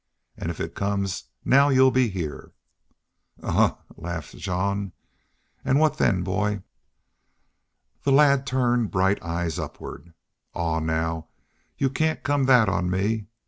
An' if it comes now y'u'll be heah." "Ahuh!" laughed Jean. "An' what then, boy?" The lad turned bright eyes upward. "Aw, now, yu'all cain't come thet on me.